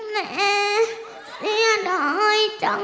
แม่เสียดายจัง